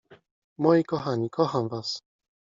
Moich kochani, kocham was.